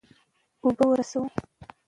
اوبه ورسوه.